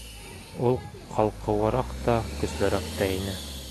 Ул ҡалҡыуыраҡ та, көслөрәк тә ине.